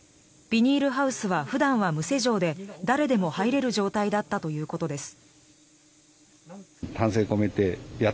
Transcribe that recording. ビニールハウスは普段は無施錠で誰でも入れる状態だったということです。